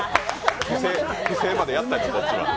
不正までやったんや、こっちは。